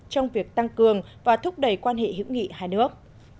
trong việc tăng cường và thúc đẩy quan hệ hữu nghị hai nước